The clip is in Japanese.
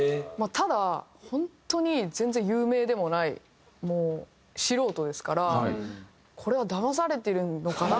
ただ本当に全然有名でもないもう素人ですからこれはだまされてるのかな？